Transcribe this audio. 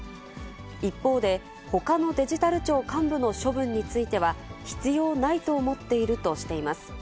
一方で、ほかのデジタル庁幹部の処分については、必要ないと思っているとしています。